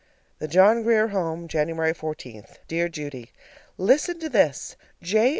THE JOHN GRIER HOME, January 14. Dear Judy: Listen to this! J.